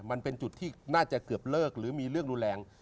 มันเป็นจุดที่น่าจะเกือบเลิกหรือมีเรื่องรุนแรง